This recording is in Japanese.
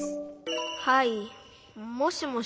☎はいもしもし。